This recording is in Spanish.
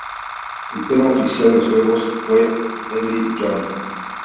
El tema oficial de los juegos fue "Everyone".